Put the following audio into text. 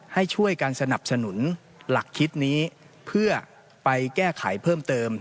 ให้ช่วยกันสนับสนุนหลักคิดนี้เพื่อไปแก้ไขเพิ่มเติม